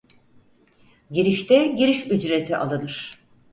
Girişte giriş ücreti alınır.